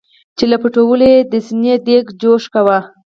چې له پټولو یې د سینې دیګ جوش کاوه.